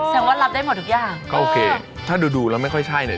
มีมาแล้วแล้วถ้ามีแฟนขี้หึงได้ไหม